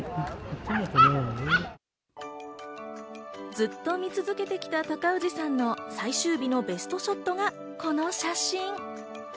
ずっと見続けてきた高氏さんの最終日のベストショットが、この写真。